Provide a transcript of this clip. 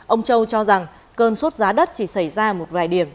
ông châu cho rằng cơn sốt giá đất chỉ xảy ra một vài điểm